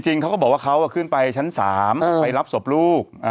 เขาก็บอกว่าเขาขึ้นไปชั้น๓ไปรับศพลูก